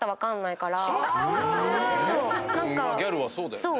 ギャルはそうだよね。